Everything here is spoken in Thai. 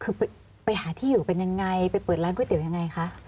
คือไปหาที่อยู่เป็นยังไงไปเปิดร้านก๋วยเตี๋ยวยังไงคะ